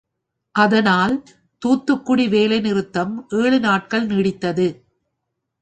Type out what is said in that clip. அதனால் தூத்துக்குடி வேலை நிறுத்தம் ஏழு நாட்கள் நீடித்தது.